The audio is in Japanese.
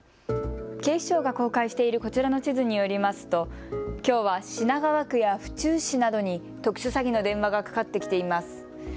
警視庁が公開しているこちらの地図によりますときょうは品川区や府中市などに特殊詐欺の電話がかかってきています。